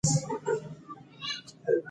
د هغې په اړه اضافي معلومات هم وړاندې کړي